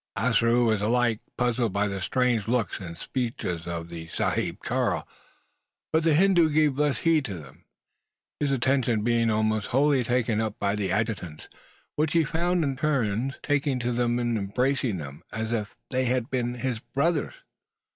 Ossaroo was alike puzzled by the strange looks and speeches of the Sahib Karl; but the Hindoo gave less heed to them his attention being almost wholly taken up by the adjutants, which he fondled in turns talking to them and embracing them, as if they had been his brothers!